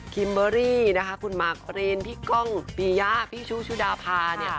เบอรี่นะคะคุณมากกรีนพี่ก้องปียะพี่ชูชุดาพาเนี่ย